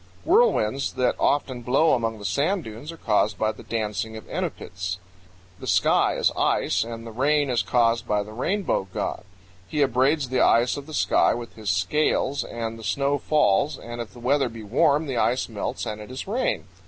Whirlwinds that often blow among the sand dunes are caused by the dancing of Enupits. The sky is ice, and the rain is caused by the Rainbow God; he abraids the ice of the sky with his scales and the snow falls, and if the weather be warm the ice melts and it is rain.